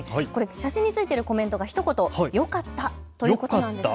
写真についているコメントがひと言よかっただけなんです。